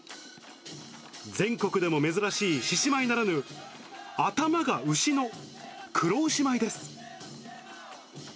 全国でも珍しい獅子舞ならぬ、頭がうしの黒丑舞です。